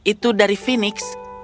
itu dari fenix